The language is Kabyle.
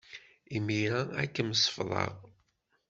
Imir-a, ad kem-sefḍeɣ.